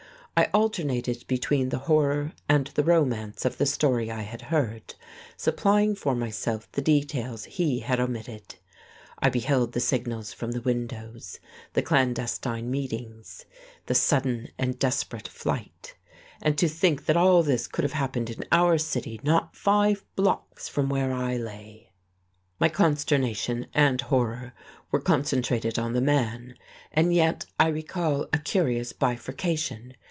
I alternated between the horror and the romance of the story I had heard, supplying for myself the details he had omitted: I beheld the signals from the windows, the clandestine meetings, the sudden and desperate flight. And to think that all this could have happened in our city not five blocks from where I lay! My consternation and horror were concentrated on the man, and yet I recall a curious bifurcation.